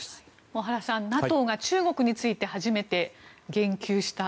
小原さん、ＮＡＴＯが中国について初めて言及した。